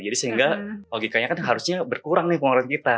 jadi sehingga logikanya kan harusnya berkurang nih pengeluaran kita